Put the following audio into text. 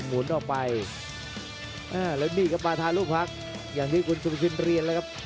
เหมือนจะคลายของเก่าอยู่แล้วทำท่าอ่อนปวกเปียก